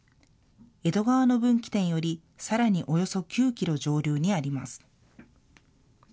江戸川の分岐点より、さらにおよそ９キロ上流にあります。